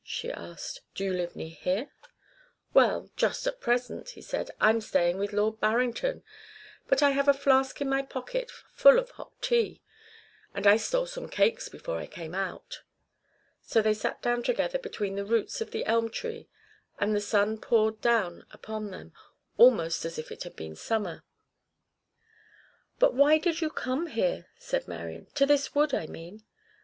she asked. "Do you live near here?" "Well, just at present," he said, "I'm staying with Lord Barrington. But I have a flask in my pocket full of hot tea, and I stole some cakes before I came out." So they sat down together between the roots of the elm tree, and the sun poured down upon them, almost as if it had been summer. "But why did you come here," said Marian "to this wood I mean?"